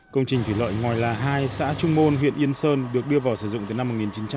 công trình thủy lợi ngoài là hai xã trung môn huyện yên sơn được đưa vào sử dụng từ năm một nghìn chín trăm bảy mươi năm